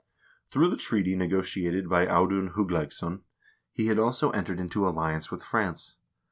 Through the treaty negotiated by AudunlHugleiksson he had also entered into alliance with France.